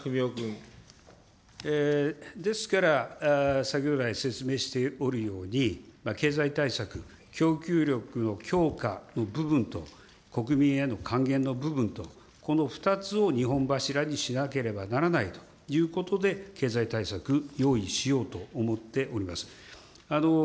ですから、先ほどらい説明しておるように、経済対策、供給力の強化の部分と国民への還元の部分と、この２つを２本柱にしなければならないということで、経済対策用意しようと思っております。